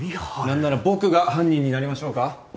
何なら僕が犯人になりましょうか？